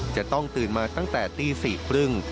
จะต้องตื่นมาตั้งแต่ตี๔๓๐